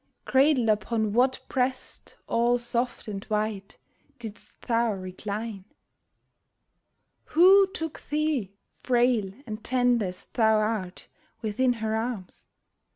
Cradled upon what breast all soft and white Didst thou recline ? Who took thee, frail and tender as thou art, Within her arms ?